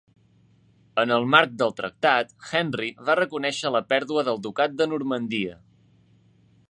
En el marc del Tractat, Henry va reconèixer la pèrdua del ducat de Normandia.